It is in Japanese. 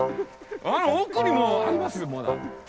奥にもありますよまだ。